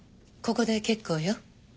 ここで結構よ。